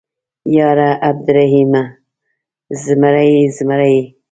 _ياره عبرالرحيمه ، زمری يې زمری.